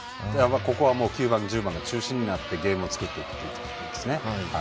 ここは９番、１０番が中心になってゲームを作っていくところですね。